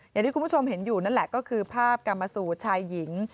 อย่างที่คุณผู้ชมเห็นอยู่นั่นแหละก็คือภาพกรรมสูตรชายหญิง